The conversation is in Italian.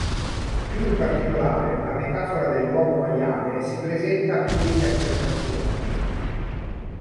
Più in particolare, la metafora dell'uomo-maiale si presta a più interpretazioni.